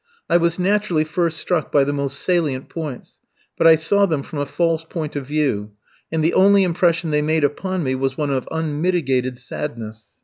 I was naturally first struck by the most salient points, but I saw them from a false point of view, and the only impression they made upon me was one of unmitigated sadness.